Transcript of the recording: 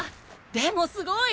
でもすごい！